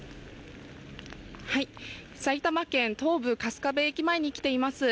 埼玉県東武春日部駅前に来ています。